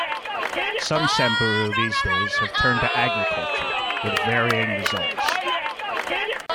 Some Samburu these days have turned to agriculture, with varying results.